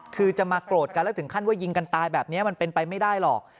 คือจะมาโกรธกันแล้วถึงขั้นว่ายิงกันตายแบบนี้มันเป็นไปไม่ได้หรอก